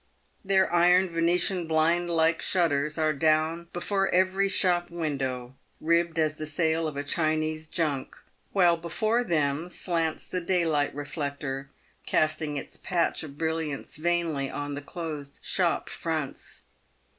The iron venetian blind like shutters are down before every shop window, ribbed as the sail of a Chinese junk, while before them slants the daylight reflector, casting its patch of brilliance vainly on the closed shop fronts.